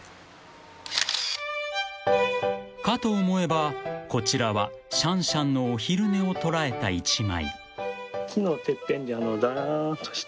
［かと思えばこちらはシャンシャンのお昼寝を捉えた１枚］